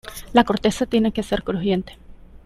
La corteza tiene que ser crujiente.